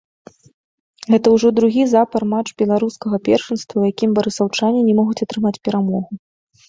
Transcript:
Гэта ўжо другі запар матч беларускага першынства, у якім барысаўчане не могуць атрымаць перамогу.